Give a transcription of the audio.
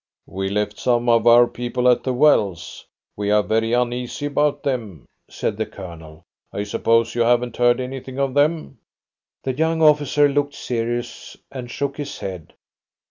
"We left some of our people at the Wells. We are very uneasy about them," said the Colonel. "I suppose you haven't heard anything of them?" The young officer looked serious and shook his head.